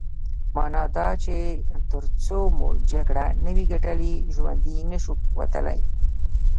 مانا دا چې ترڅو مو جګړه نه وي ګټلې ژوندي نه شو وتلای.